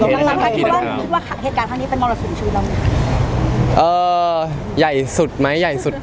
เอิ่มใหญ่สุดมั้ย